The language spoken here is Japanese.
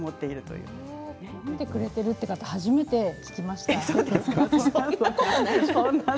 読んでくれているという方初めて聞きました。